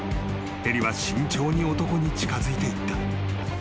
［ヘリは慎重に男に近づいていった］